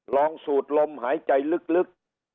สูดลมหายใจลึก